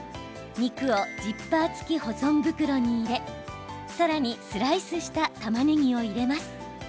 肉をジッパー付き保存袋に入れさらにスライスしたたまねぎを入れます。